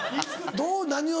どう何を？